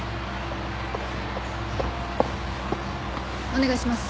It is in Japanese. お願いします。